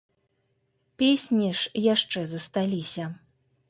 Песні ж яшчэ засталіся.